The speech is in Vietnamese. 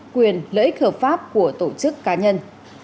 quyền lợi ích hợp pháp của tổ chức cá nhân